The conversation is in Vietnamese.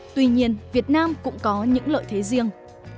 tuy nhiên việt nam cũng có những lợi thế riêng